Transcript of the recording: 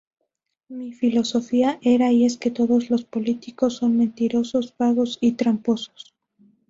Mi filosofía era y es que todos los políticos son mentirosos, vagos y tramposos".